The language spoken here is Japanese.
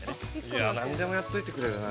◆いや、何でもやっといてくれるなあ。